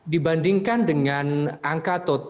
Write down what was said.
dan dibandingkan dengan jumlah total covid sembilan belas